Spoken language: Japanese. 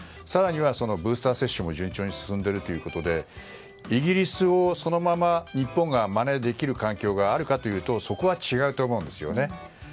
更にはブースター接種も順調に進んでいるということでイギリスをそのまま日本がまねできる環境があるかというとそこは違うと思うんですよね。